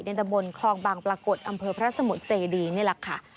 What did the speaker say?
ตะบนคลองบางปรากฏอำเภอพระสมุทรเจดีนี่แหละค่ะ